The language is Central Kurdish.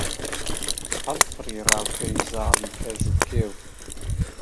هەڵفڕی ڕاوکەری زاڵی کەژ و کێو